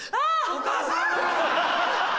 お母さん！